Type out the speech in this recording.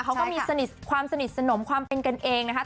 เขาก็มีสนิทความสนิทสนมความเป็นกันเองนะคะ